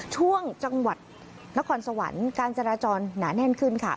ช่วงจังหวัดนครสวรรค์การจราจรหนาแน่นขึ้นค่ะ